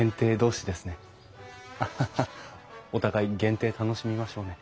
お互い限定楽しみましょうね。